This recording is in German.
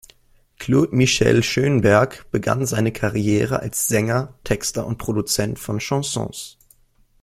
Claude-Michel Schönberg begann seine Karriere als Sänger, Texter und Produzent von Chansons.